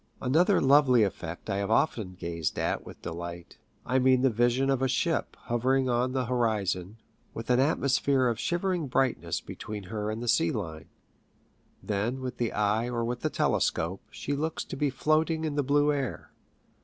Another lovely effect I have often gazed at with delight. I mean the vision of a ship hovering on the horizon, with an atmosphere of shivering brightness between her and the sea line. Then, with the eye or with the telescope, she looks to be floating in the blue air.